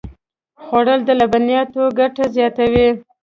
خوړل د لبنیاتو ګټه زیاتوي